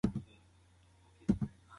هغه به خامخا د ژغورنې یوه نوې لاره پيدا کړي.